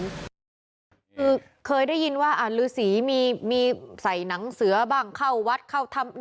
คือเคยได้ยินว่าฤษีมีใส่หนังเสือบ้างเข้าวัดเข้าทำ